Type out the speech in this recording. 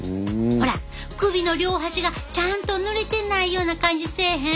ほら首の両端がちゃんと塗れてないような感じせえへん？